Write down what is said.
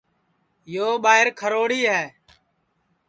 یو ٻائیر کھروڑِی ہے